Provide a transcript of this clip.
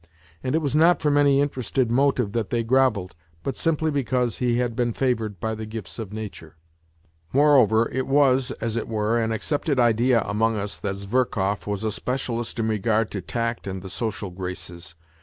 And it was not from any interested motive that they grovelled, but simply because he had been favoured by the gifts of nature. Moreover, it was, as it were, an accepted idea among us that Zverkov was a specialist in regard to tact and the social graces.